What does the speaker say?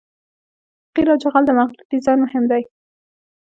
د قیر او جغل د مخلوط ډیزاین مهم دی